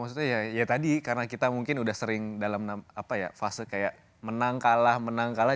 maksudnya ya tadi karena kita mungkin udah sering dalam apa ya fase kayak menang kalah menang kalah